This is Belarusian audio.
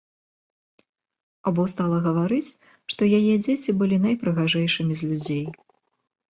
Або стала гаварыць, што яе дзеці былі найпрыгажэйшымі з людзей.